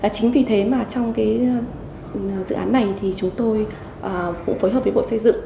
chính vì thế mà trong cái dự án này thì chúng tôi cũng phối hợp với bộ xây dựng